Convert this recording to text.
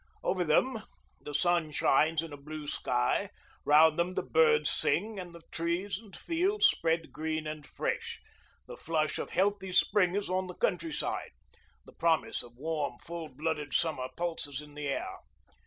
Over them the sun shines in a blue sky, round them the birds sing and the trees and fields spread green and fresh; the flush of healthy spring is on the countryside, the promise of warm, full blooded summer pulses in the air.